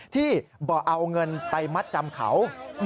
ที่บอกเอาเงินไปมัดจำเขา